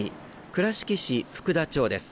倉敷市福田町です。